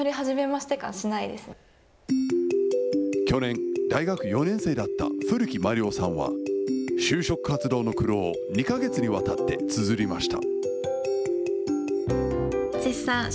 去年、大学４年生だった古木毬央さんは、就職活動の苦労を２か月にわたってつづりました。